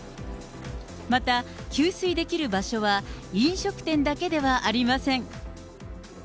また、給水できる場所は飲食店だけではありません。